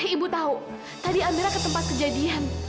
ibu tahu tadi amira ke tempat kejadian